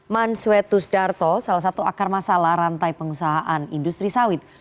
mansuetus darto salah satu akar masalah rantai pengusahaan industri sawit